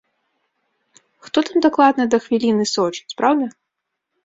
Хто там дакладна да хвіліны сочыць, праўда?